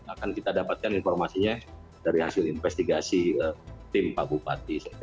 akan kita dapatkan informasinya dari hasil investigasi tim pak bupati